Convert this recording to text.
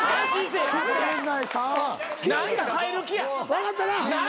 分かったな？